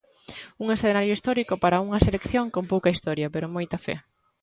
Un escenario histórico para unha selección con pouca historia, pero moita fe.